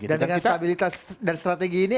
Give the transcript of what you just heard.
dan dengan stabilitas dan strategi ini